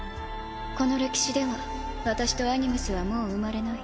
この歴史では私とアニムスはもう生まれない。